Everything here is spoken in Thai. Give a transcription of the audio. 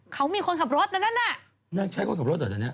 เขามีคนขับรถนั่นนั่นใช่คนขับรถเหรอ